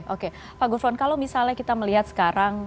oke pak gufron kalau misalnya kita melihat sekarang